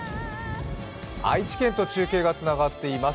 愛知県と中継がつながっています。